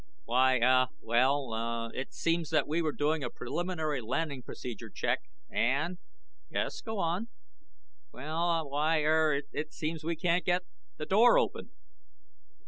"Why, uh, well it seems that we were doing a preliminary landing procedure check, and ..." "Yes, go on." "Why, er, it seems that we can't get the door open."